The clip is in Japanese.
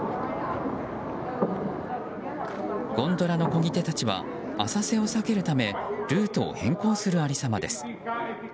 ゴンドラのこぎ手たちは浅瀬を避けるためルートを変更する有り様です。